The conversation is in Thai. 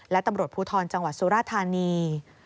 และตำรวจภูทรจังหวัดสุราธานี